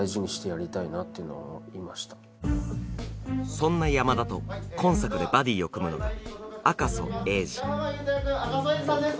そんな山田と今作でバディを組むのが・白浜優斗役赤楚衛二さんです